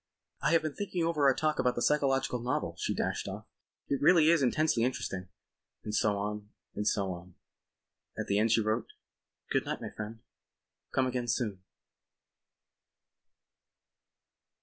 "I have been thinking over our talk about the psychological novel," she dashed off, "it really is intensely interesting." ... And so on and so on. At the end she wrote: "Good night, my friend. Come again soon."